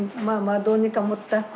まあまあどうにかもった？